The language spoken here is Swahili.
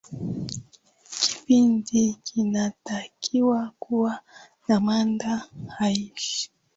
kipindi kinatakiwa kuwa na mada rahisi